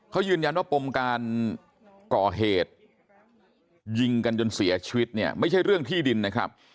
เขายืนยันว่าปมการก่อเหตุยิงกันจนเสียชีวิตเนี่ยไม่ใช่เรื่องที่ดินนะครับ